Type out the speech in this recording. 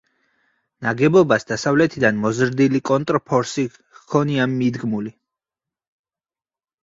ნაგებობას დასავლეთიდან მოზრდილი კონტრფორსი ჰქონია მიდგმული.